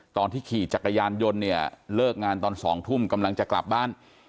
ขี่จักรยานยนต์เนี่ยเลิกงานตอน๒ทุ่มกำลังจะกลับบ้าน